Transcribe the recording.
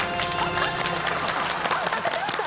当たってました？